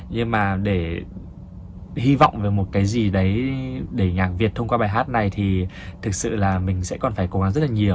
nhưng mà để hy vọng về một cái gì đấy để nhạc việt thông qua bài hát này thì thực sự là mình sẽ còn phải cố gắng rất là nhiều